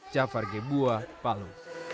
jafar gebuah palu